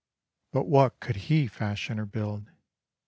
But what could he fashion or build?